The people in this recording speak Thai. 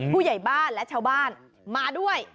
ผู้ใหญ่บ้านและชาวบ้านมาด้วย